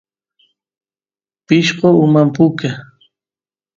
pishqo uman puka